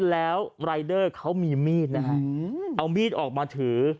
แล้วรายเดอร์เขามีมีดนะฮะเอามีดออกมาถือ